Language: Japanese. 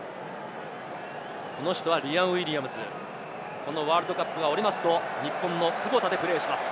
この人はリアム・ウィリアムズ、ワールドカップが終わると、日本のクボタでプレーします。